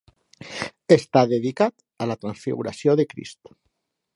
Està dedicat a la transfiguració de Crist.